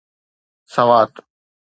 Swat